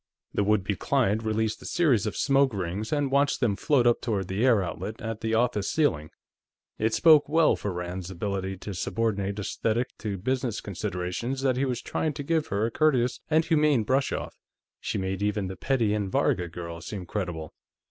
The would be client released a series of smoke rings and watched them float up toward the air outlet at the office ceiling. It spoke well for Rand's ability to subordinate esthetic to business considerations that he was trying to give her a courteous and humane brush off. She made even the Petty and Varga girls seem credible.